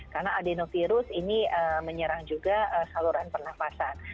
karena adenovirus ini menyerang juga saluran pernafasan